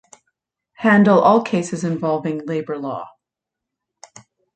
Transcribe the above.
Handle all cases involving labor law.